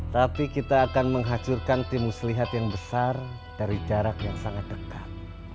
tapi kita akan menghancurkan timus lihat yang besar dari jarak yang sangat dekat